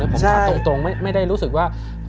ผมถามตรงไม่ได้รู้สึกว่า